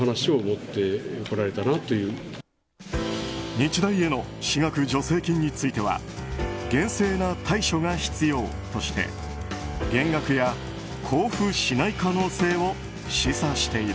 日大への私学助成金については厳正な対処が必要として減額や交付しない可能性を示唆している。